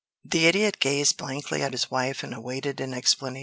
The Idiot gazed blankly at his wife, and awaited an explanation.